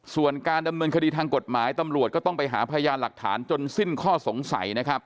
ส่วนการดำเนินคดีทางกฎหมายตำรวจก็ต้องไปหาพยานหลักฐานจนสิ้นข้อสงสัยนะครับ